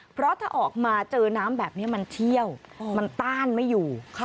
เพราะถ้าออกมาเจอน้ำแบบนี้มันเชี่ยวมันต้านไม่อยู่